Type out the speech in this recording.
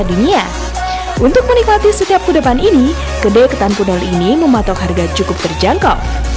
untuk menikmati setiap kedapan ini kedai ketan pune ini mematok harga cukup terjangkau